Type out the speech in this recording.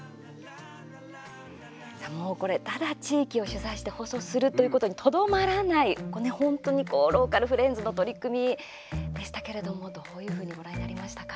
ただ地域を取材して放送するということにとどまらない本当にローカルフレンズの取り組みでしたけれどもどういうふうにご覧になりましたか？